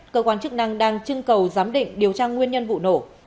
cơ quan chức năng đang trưng cầu giám định điều tra nguyên nhân vụ nổ